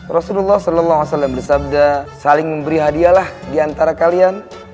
rasulullah saw bersabda saling memberi hadiah lah di antara kalian